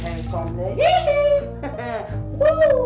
kamu kok tegel sih